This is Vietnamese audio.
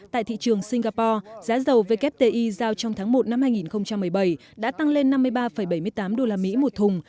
tại thị trường singapore giá dầu wti giao trong tháng một năm hai nghìn một mươi bảy đã tăng lên năm mươi ba bảy mươi tám usd một thùng